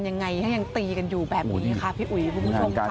ยังไงถ้ายังตีกันอยู่แบบนี้ค่ะพี่อุ๋ยคุณผู้ชมค่ะ